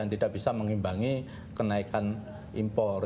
tidak bisa mengimbangi kenaikan impor